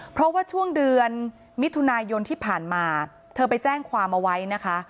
เพราะว่าช่วงเดือนมิถุนายนที่ผ่านมาเธอไปแจ้งความเอาไว้นะคะ